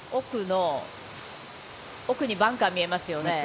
奥にバンカーが見えますよね。